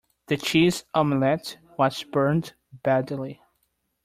The cheese omelette was burned badly.